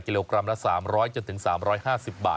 มีกลิ่นหอมกว่า